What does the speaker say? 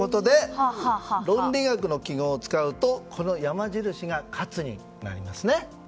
論理学の記号を使うと山印が「かつ」になりますね。